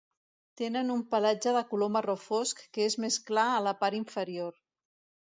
Tenen un pelatge de color marró fosc que és més clar a la par inferior.